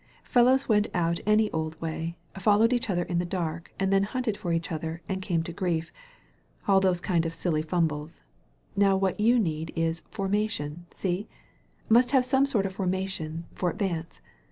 Fellows went out any old way; followed each other in the dark, and then hunted for each other and came to grief; all those kind of silly fumbles. Now, what you need is formatwn — see? Must have some sort of formation for advance.